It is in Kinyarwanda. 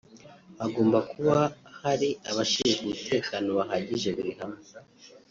hagomba kuba hari abashinzwe umutekano bahagije buri hamwe